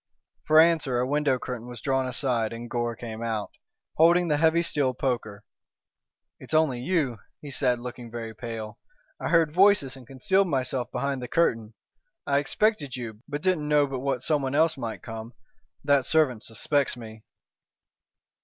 For answer a window curtain was drawn aside and Gore came out, holding the heavy steel poker. "It's only you," he said, looking very pale. "I heard voices and concealed myself behind the curtain. I expected you, but didn't know but what someone else might come. That servant suspects me."